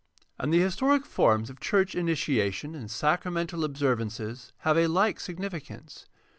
And the historic forms of church initiation and sacramental observ ances have a like significance.